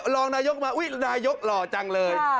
รองนายกมาอุ๊ยนายกหล่อจังเลย